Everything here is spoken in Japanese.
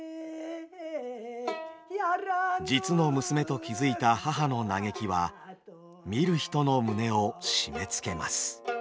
実の娘と気付いた母の嘆きは見る人の胸を締めつけます。